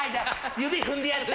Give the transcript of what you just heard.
指踏んでやった。